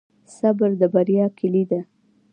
صبر د بریا کیلي ده؟